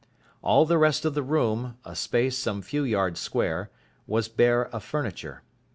All the rest of the room, a space some few yards square, was bare of furniture.